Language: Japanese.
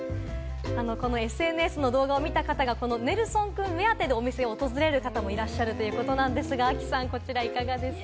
このＳＮＳの動画を見た方がネルソンくん目当てでお店を訪れる方もいらっしゃるということなんですが、亜希さん、いかがですか？